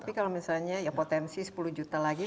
tapi kalau misalnya ya potensi sepuluh juta lagi